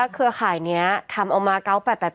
เครือข่ายนี้ทำเอามา๙๘๘๘เล็กไปเลย